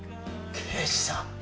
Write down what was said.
刑事さん。